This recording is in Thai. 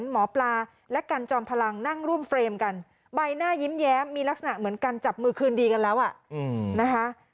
หมอปลาและกันจอมพลังนั่งร่วมเฟรมกันใบหน้ายิ้มแย้มมีลักษณะเหมือนกันจับมือคืนดีกันแล้วนะคะ